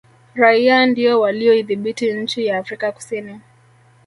raia ndio waliyoidhibiti nchi ya afrika kusini